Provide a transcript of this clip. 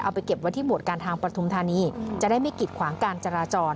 ไปเก็บไว้ที่หมวดการทางปฐุมธานีจะได้ไม่กิดขวางการจราจร